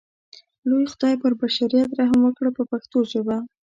لوی خدای پر بشریت رحم وکړ په پښتو ژبه.